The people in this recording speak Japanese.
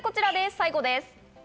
最後です。